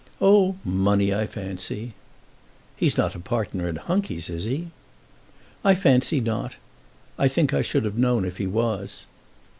"Oh; money, I fancy." "He's not a partner in Hunky's, is he?" "I fancy not. I think I should have known if he was."